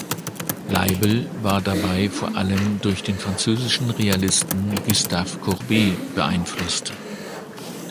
Leibl war dabei vor allem durch den französischen Realisten Gustave Courbet beeinflusst.